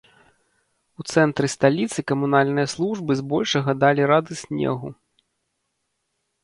У цэнтры сталіцы камунальныя службы збольшага далі рады снегу.